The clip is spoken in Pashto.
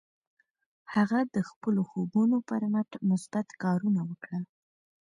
هغه د خپلو خوبونو پر مټ مثبت کارونه وکړل.